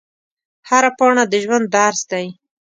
هره پاڼه د ژوند درس دی